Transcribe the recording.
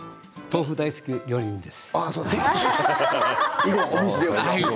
豆腐大好き料理人です。